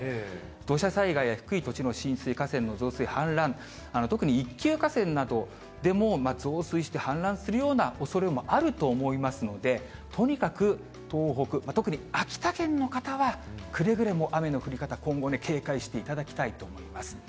土砂災害や低い土地の浸水、河川の増水、氾濫、特に一級河川など、増水して氾濫するようなおそれもあると思いますので、とにかく東北、特に秋田県の方は、くれぐれも雨の降り方、今後、警戒していただきたいと思います。